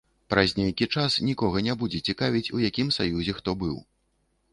Праз нейкі час нікога не будзе цікавіць, у якім саюзе хто быў.